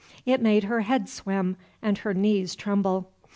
It made her head swim and her knees tremble.